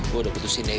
gue udah putusin deh ini